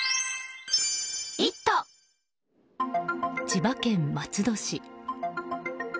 千葉県松戸市。